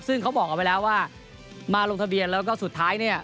ซึ่งเขาบอกเอาไว้แล้วว่ามาลงทะเบียนแล้วก็สุดท้ายเนี่ย